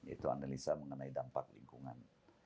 itu analisa mengenai dampak lingkungan